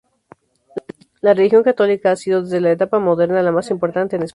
La religión católica ha sido desde la etapa moderna la más importante en España.